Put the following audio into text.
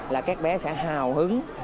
là các bé sẽ hào hứng